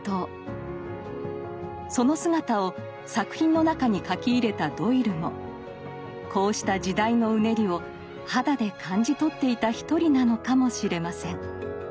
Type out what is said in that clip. その姿を作品の中に書き入れたドイルもこうした時代のうねりを肌で感じ取っていた一人なのかもしれません。